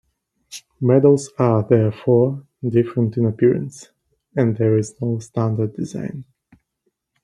Medals are therefore different in appearance, and there is no standard design.